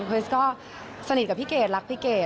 ริสก็สนิทกับพี่เกดรักพี่เกด